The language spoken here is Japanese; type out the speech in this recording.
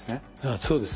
そうですね。